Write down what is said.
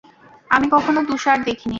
আমি কখনো তুষার দেখিনি।